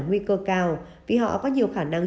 nguy cơ cao vì họ có nhiều khả năng